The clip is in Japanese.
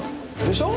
でしょ？